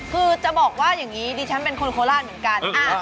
คือจะบอกว่าอย่างนี้ดิฉันเป็นคนโคราชเหมือนกัน